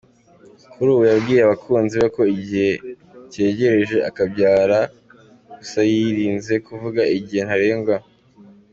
Kuri ubu yabwiye abakunzi be ko igihe cyegereje akabyara gusa yirinze kuvuga igihe ntarengwa.